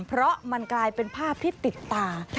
เพราะมันกลายเป็นภาพที่ติดตา